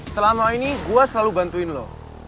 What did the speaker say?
selama ini gue selalu bantuin lo